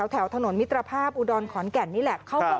แถวถนนมิตรภาพอุดรขอนแก่นนี่แหละ